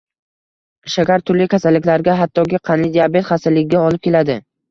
shakar turli kasalliklarga, hattoki qandli diabet xastaligiga olib keladi.